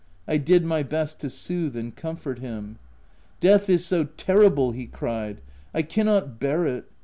I did my best to sooth and comfort him. *' Death is so terrible/ he cried, ' I cannot bear it!